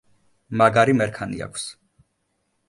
მაგარი მერქანი აქვს.